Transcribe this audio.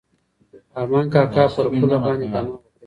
ارمان کاکا پر پوله باندې دمه وکړه.